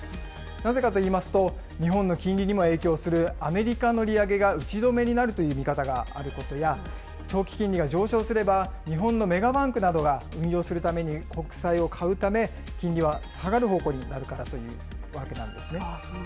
なぜかといいますと、日本の金利にも影響するアメリカの利上げが打ち止めになるという見方があることや、長期金利が上昇すれば、日本のメガバンクなどが運用するために国債を買うため、金利は下がる方向になるからというわけなんですね。